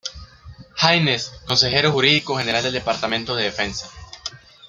Haynes, Consejero Jurídico General del Departamento de Defensa.